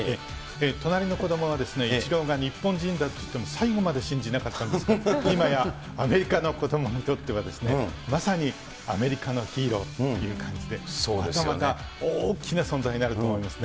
隣の子どもがイチローが日本人だと言っても、最後まで信じなかったんですけど、今やアメリカの子どもにとっては、まさにアメリカのヒーローという感じで、彼もまた大きな存在になると思いますね。